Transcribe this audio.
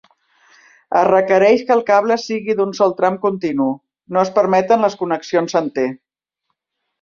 Es requereix que el cable sigui d'un sol tram continu; no es permeten les connexions en T.